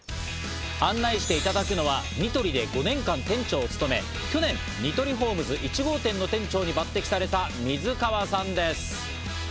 案内していただくのは、ニトリで４年間、店長を務め、去年ニトリホームズ１号店の店長に抜擢された、水川さんです。